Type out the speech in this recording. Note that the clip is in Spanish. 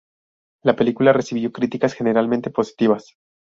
La película recibió críticas generalmente positivas.